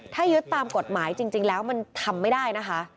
ถ้ายึดตามกฎหมายจริงแล้วมันทำไม่ได้นะคะ